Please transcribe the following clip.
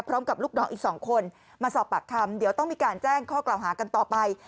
ลูกน้องอีก๒คนมาสอบปากคำเดี๋ยวต้องมีการแจ้งข้อกล่าวหากันต่อไป